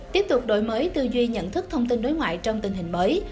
tiếp tục đổi mới tư duy nhận thức thông tin đối ngoại trong tình hình mới